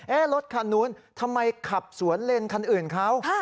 รถคันนู้นทำไมขับสวนเลนคันอื่นเขา